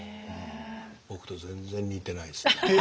僕と全然似てないですね。